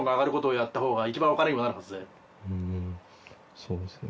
そうですね。